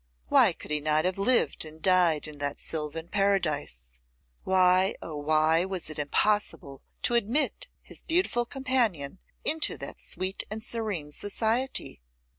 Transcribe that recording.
Why could he not have lived and died in that sylvan paradise? Why, oh! why was it impossible to admit his beautiful companion into that sweet and serene society?